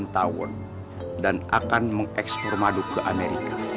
saya akan mengeksplor madu ke amerika